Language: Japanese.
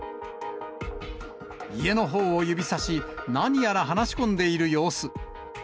家のほうを指さし、何やら話し込んでいる様子。